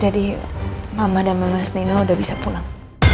jadi mama dan mas nino udah bisa pulang